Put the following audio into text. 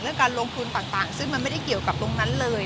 การลงทุนต่างซึ่งมันไม่ได้เกี่ยวกับตรงนั้นเลย